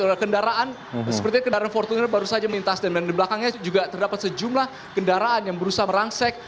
ada kendaraan seperti kendaraan fortuner baru saja lintas dan di belakangnya juga terdapat sejumlah kendaraan yang berusaha merangsek